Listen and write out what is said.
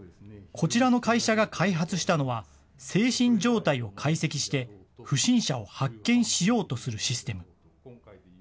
こちらの会社が開発したのは、精神状態を解析して、不審者を発見しようとするシステム。